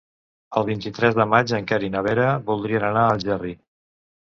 El vint-i-tres de maig en Quer i na Vera voldrien anar a Algerri.